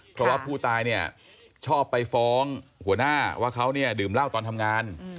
เพราะว่าผู้ตายเนี่ยชอบไปฟ้องหัวหน้าว่าเขาเนี่ยดื่มเหล้าตอนทำงาน